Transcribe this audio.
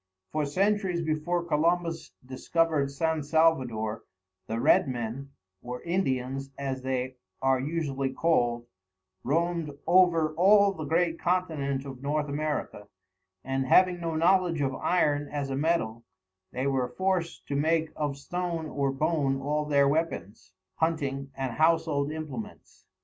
For centuries before Columbus discovered San Salvador, the red men (or Indians as they are usually called) roamed over all the great continent of North America, and, having no knowledge of iron as a metal, they were forced to make of stone or bone all their weapons, hunting and household implements.